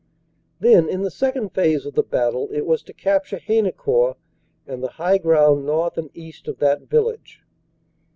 Then, in the Second Phase of the battle, it was to capture Haynecourt and the high ground north and east of that village.